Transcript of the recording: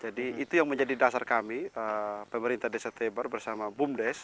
jadi itu yang menjadi dasar kami pemerintah desa tebara bersama bumdes